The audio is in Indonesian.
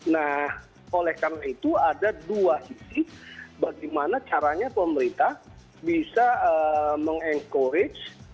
nah oleh karena itu ada dua sisi bagaimana caranya pemerintah bisa meng encourage